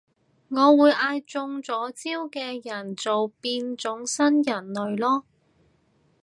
我會嗌中咗招嘅人做變種新人類囉